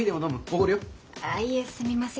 あいえすみません。